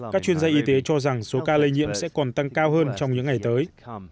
các chuyên gia y tế cho rằng số ca lây nhiễm sẽ còn tăng cao hơn trong những ngày tới